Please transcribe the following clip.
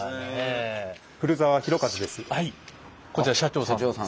こちら社長さん？